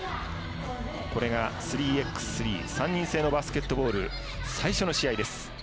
これが３ｘ３３人制のバスケットボール最初の試合です。